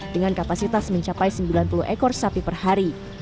dengan kapasitas mencapai sembilan puluh ekor sapi per hari